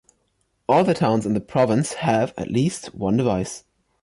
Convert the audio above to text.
All the towns in the province have, at least, one device.